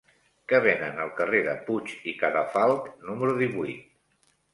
Què venen al carrer de Puig i Cadafalch número divuit?